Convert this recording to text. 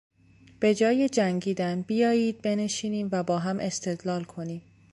به جای جنگیدن بیایید بنشینیم و با هم استدلال کنیم.